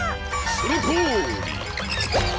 そのとおり！